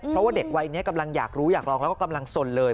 เพราะว่าเด็กวัยนี้กำลังอยากรู้อยากลองแล้วก็กำลังสนเลย